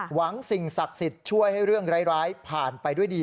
หวังสิ่งศักดิ์สิทธิ์ช่วยให้เรื่องร้ายผ่านไปด้วยดี